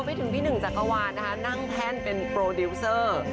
ไปถึงพี่หนึ่งจักรวาลนะคะนั่งแท่นเป็นโปรดิวเซอร์